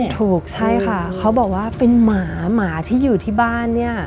ถูกใช่ค่ะเขาบอกว่าเป็นหมาหมาที่อยู่ที่บ้านเนี่ย